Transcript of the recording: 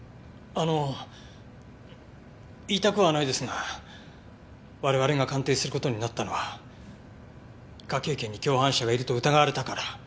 あの言いたくはないですが我々が鑑定する事になったのは科警研に共犯者がいると疑われたから。